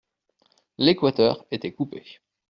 L'Équateur était coupé.